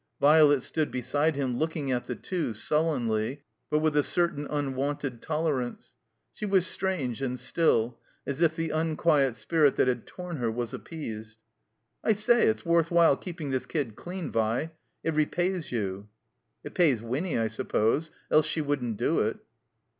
Violet stood beside him, looking at the two, sul lenly, but with a certain unwonted tolerance. She was strange and still, as if the imquiet spirit that had torn her was appeased. I say, it's worth while keeping this kid dean, Vi. It repays you." •'It pays Winny, I suppose. Else she wouldn't do it."